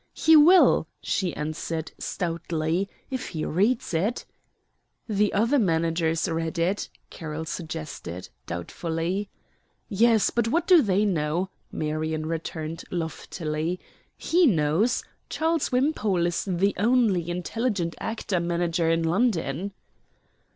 "He will," she answered, stoutly, "if he reads it." "The other managers read it," Carroll suggested, doubtfully. "Yes, but what do they know?" Marion returned, loftily. "He knows. Charles Wimpole is the only intelligent actor manager in London."